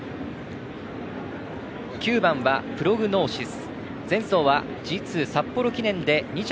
９番はプログノーシス。